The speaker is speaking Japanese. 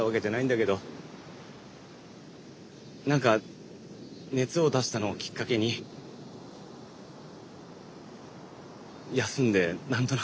何か熱を出したのをきっかけに休んで何となくズルズル。